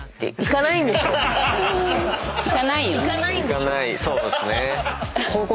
行かないそうっすね。